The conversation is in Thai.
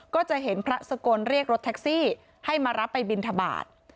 ก็จะเห็นพระสกลเรียกรถแท็กซี่ให้มารับไปบินทบาท